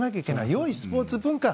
よいスポーツ文化